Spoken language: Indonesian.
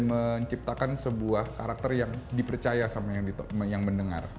menciptakan sebuah karakter yang dipercaya sama yang mendengar